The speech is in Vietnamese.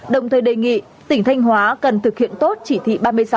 đồng thời đề nghị tỉnh thanh hóa cần thực hiện tốt chỉ thị ba mươi sáu